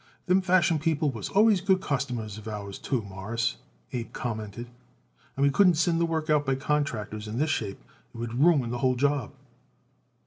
"Them Fashion people was always good customers of ours, too, Mawruss," Abe commented, "and we couldn't send the work out by contractors in this shape. It would ruin the whole job."